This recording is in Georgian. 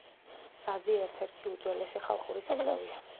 საზი ერთ-ერთი უძველესი ხალხური საკრავია.